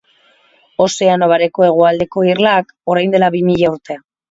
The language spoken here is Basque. Ozeano Bareko hegoaldeko irlak, orain dela bi mila urte.